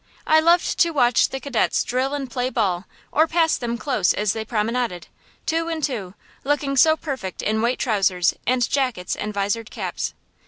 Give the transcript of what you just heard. I loved to watch the cadets drill and play ball, or pass them close as they promenaded, two and two, looking so perfect in white trousers and jackets and visored caps.